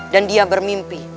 dan dia bermimpi